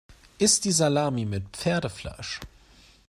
Ist die Salami mit Pferdefleisch?